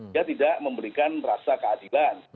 dia tidak memberikan rasa keadilan